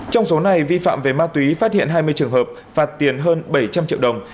trong số này vi phạm về ma túy phát hiện hai mươi trường hợp phạt tiền hơn bảy trăm linh triệu đồng